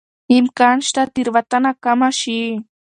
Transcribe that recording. امکان شته تېروتنه کمه شي.